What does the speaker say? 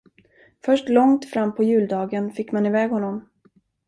Först långt frampå juldagen fick man i väg honom.